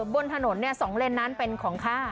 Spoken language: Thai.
บนถนนเนี่ย๒เหลนนั้นเป็นของข้า